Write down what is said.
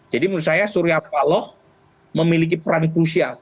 jadi menurut saya surya paloh memiliki peran krusial